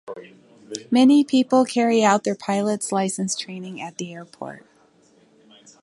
Many people carry out their pilot's licence training at the airport.